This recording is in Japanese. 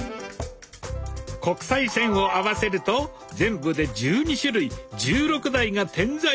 国際線を合わせると全部で１２種類１６台が点在。